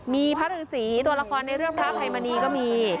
มีพระฤษีตัวละครในเรื่องพระอภัยมณีก็มี